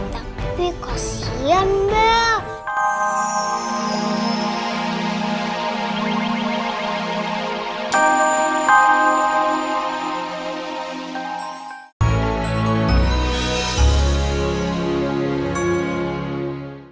tapi kasihan deh